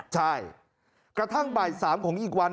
ใช่กระทั่งบ่าย๓ของอีกวัน